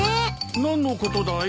何のことだい？